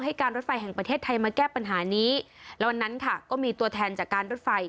การรถไฟแห่งประเทศไทยมาแก้ปัญหานี้แล้ววันนั้นค่ะก็มีตัวแทนจากการรถไฟ